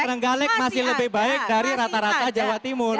trenggalek masih lebih baik dari rata rata jawa timur